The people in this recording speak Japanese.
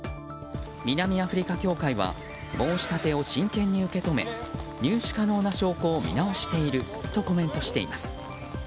南アフリカ協会は申し立てを真剣に受け止め入手可能な証拠を見直しているとコメントしています。